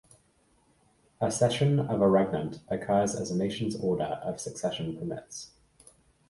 Accession of a regnant occurs as a nation's order of succession permits.